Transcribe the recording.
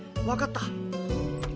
分かった。